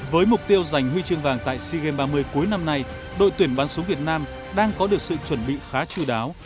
với mục tiêu giành huy chương vàng tại sea games ba mươi cuối năm nay đội tuyển bắn súng việt nam đang có được sự chuẩn bị khá chú đáo